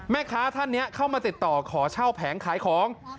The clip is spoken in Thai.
แม่ค้าท่านเนี่ยเข้ามาติดต่อขอเช่าแผงขายของ